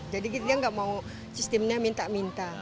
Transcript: jadi dia nggak mau sistemnya minta minta